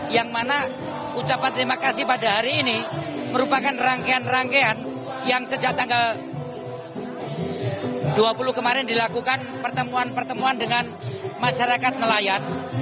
yang mana ucapan terima kasih pada hari ini merupakan rangkaian rangkaian yang sejak tanggal dua puluh kemarin dilakukan pertemuan pertemuan dengan masyarakat nelayan